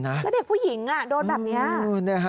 แล้วเด็กผู้หญิงโดนแบบนี้